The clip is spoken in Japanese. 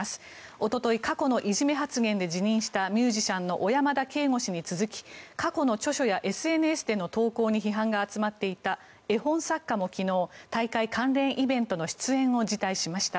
おととい、過去のいじめ発言で辞任したミュージシャンの小山田圭吾氏に続き過去の著書やＳＮＳの投稿に批判が集まっていた絵本作家も昨日、大会関連イベントの出演を辞退しました。